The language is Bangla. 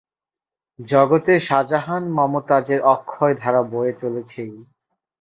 জগতে শাজাহান-মমতাজের অক্ষয় ধারা বয়ে চলেছেই।